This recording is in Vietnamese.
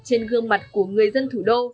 trên gương mặt của người dân thủ đô